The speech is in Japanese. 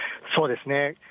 そうですね。